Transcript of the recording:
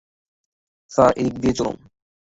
Sir, এদিক দিয়ে চলুন।